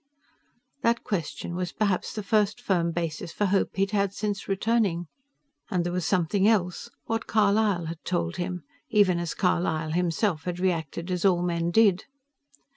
That question was perhaps the first firm basis for hope he'd had since returning. And there was something else; what Carlisle had told him, even as Carlisle himself had reacted as all men did.